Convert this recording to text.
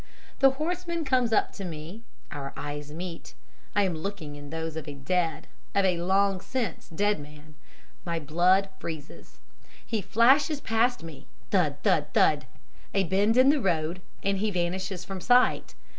The horseman comes up to me our eyes meet I am looking in those of a dead of a long since dead man my blood freezes. "He flashes past me thud, thud, thud! A bend in the road, and he vanishes from sight.